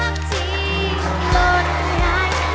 รักที่รถใหม่